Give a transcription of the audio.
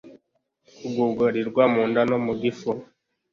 kugugarirwa mu nda no mugifu